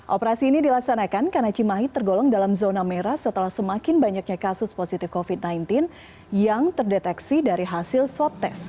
operasi ini dilaksanakan karena cimahi tergolong dalam zona merah setelah semakin banyaknya kasus positif covid sembilan belas yang terdeteksi dari hasil swab test